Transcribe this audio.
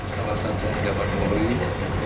salah satu jabat pemerintah